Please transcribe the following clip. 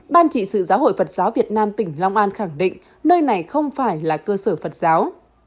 ban trị sự giáo hội phật giáo việt nam tỉnh long an khẳng định nơi này không phải là cơ sở phật giáo